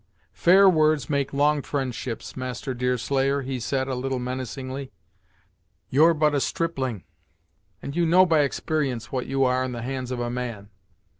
"Fair words make long friendships, Master Deerslayer," he said a little menacingly. "You're but a stripling, and you know by exper'ence what you are in the hands of a man.